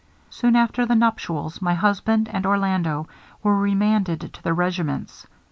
Soon after the nuptials, my husband and Orlando were remanded to their regiments.